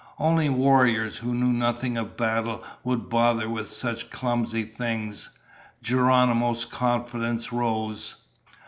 Only warriors who knew nothing of battle would bother with such clumsy things. Geronimo's confidence rose.